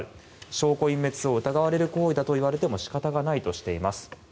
証拠隠滅を疑われる行為だと言われても仕方がないとしています。